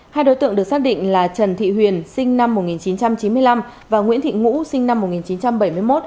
hai đối tượng được xác định là trần thị huyền sinh năm một nghìn chín trăm chín mươi năm và nguyễn thị ngũ sinh năm một nghìn chín trăm bảy mươi một